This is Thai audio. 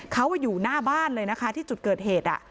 เขาอยู่หน้าบ้านเลยนะคะที่จุดเกิดเหตุ